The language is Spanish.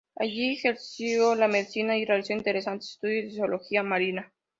Allí ejerció la medicina y realizó interesantes estudios de zoología marina.